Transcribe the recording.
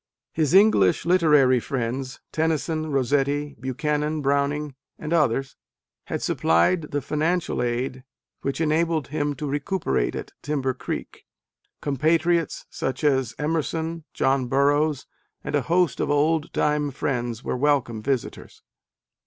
His English literary friends, Tennyson, Rossetti, Buchanan, Browning and others, had supplied the financial aid which enabled him to recuperate at Timber Greek : compatriots such as Emerson, John Burroughs, and a host of old time friends were welcome visitors.